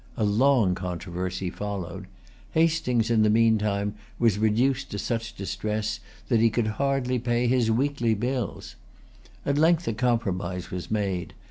A long controversy followed. Hastings, in the meantime, was reduced to such distress that he could hardly pay his weekly bills. At length a compromise was made.